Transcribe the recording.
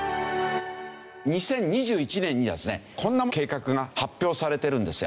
２０２１年にですねこんな計画が発表されてるんですよ。